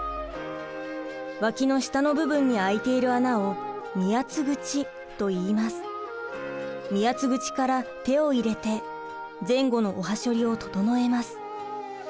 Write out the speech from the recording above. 脇の下の部分にあいている穴を身八つ口から手を入れて前後のおはしょりを整えます。